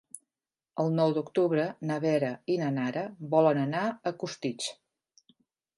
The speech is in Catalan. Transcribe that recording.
El nou d'octubre na Vera i na Nara volen anar a Costitx.